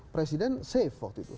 presiden save waktu itu